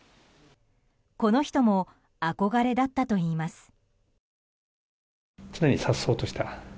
この人も憧れだったといいます。